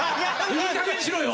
いいかげんにしろよ。